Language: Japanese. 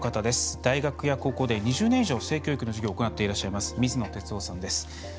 大学や高校で２０年以上性教育の授業を行っています、水野哲夫さんです。